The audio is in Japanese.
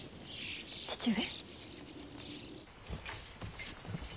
父上。